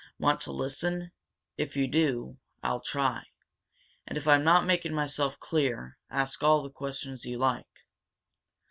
Want to listen? If you do, I'll try. And if I'm not making myself clear, ask all the questions you like."